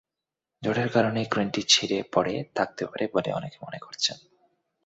ঝড়ের কারণেই ক্রেনটি ছিঁড়ে পড়ে থাকতে পারে বলে অনেকে মনে করছেন।